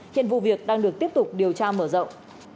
hiện vụ việc đang được tiếp tục điều tra mở rộng